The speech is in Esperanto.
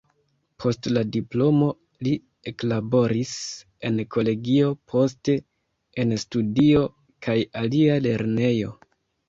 Post la diplomo li eklaboris en kolegio, poste en studio kaj alia lernejo.